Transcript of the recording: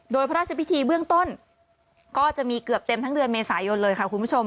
โดยพระราชพิธีเบื้องต้นก็จะมีเกือบเต็มทั้งเดือนเมษายนเลยค่ะคุณผู้ชม